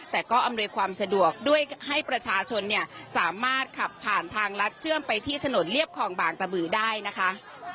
แต่ก็อำนวยความสะดวกด้วยให้ประชาชนเนี่ยสามารถขับผ่านทางลัดเชื่อมไปที่ถนนเรียบคลองบางกระบือได้นะคะ